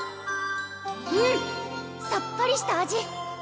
うんさっぱりした味！